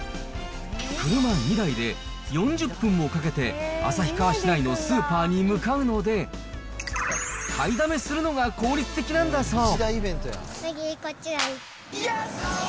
車２台で４０分もかけて旭川市内のスーパーに向かうので、買いだめするのが効率的なんだそう。